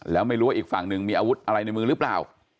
แล้วไม่รู้ว่าอีกฝั่งหนึ่งมีอาวุธอะไรในมือหรือเปล่า